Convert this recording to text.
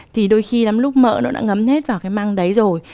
thì đôi khi lắm lúc mỡ nó đã ngấm hết vào cái măng đấy rồi